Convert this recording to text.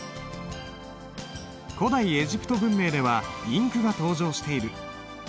古代エジプト文明ではインクが登場している。